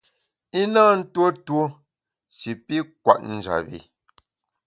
I na ntuo tuo shi pi kwet njap bi.